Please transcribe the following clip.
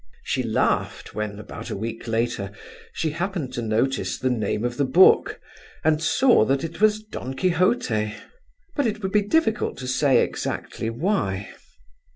She laughed when, about a week later, she happened to notice the name of the book, and saw that it was Don Quixote, but it would be difficult to say exactly why.